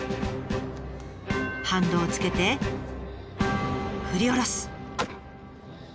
反動をつけて振り下ろす。